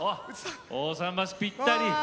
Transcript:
大さん橋ぴったり！